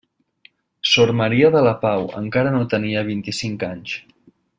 Sor Maria de la Pau encara no tenia vint-i-cinc anys.